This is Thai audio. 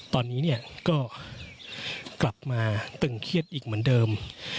ตอนนี้เนี่ยก็กลับมาตึงเครียดอีกเหมือนเดิม